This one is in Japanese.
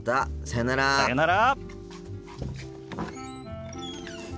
さよなら。